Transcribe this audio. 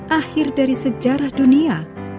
akhir dari sejarah dunia